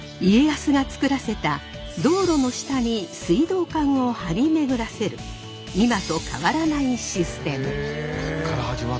家康がつくらせた道路の下に水道管を張り巡らせる今と変わらないシステム。